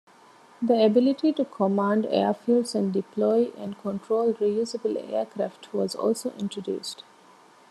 The ability to command airfields and deploy and control reusable aircraft was also introduced.